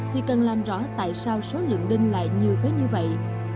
thì cần làm rõ tại sao số lượng đinh lại nhiều tới như vậy